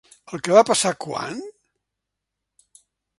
El que va passar quan?